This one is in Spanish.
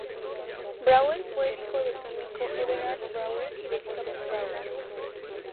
Brauer fue hijo del químico Eberhard Brauer y de Elisabeth Brauer.